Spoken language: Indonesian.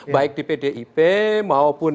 baik di pdip maupun